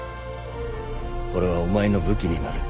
これはお前の武器になる。